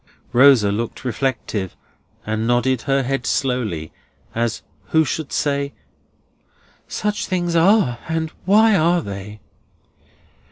Rosa looked reflective, and nodded her head slowly; as who should say, "Such things are, and why are they!"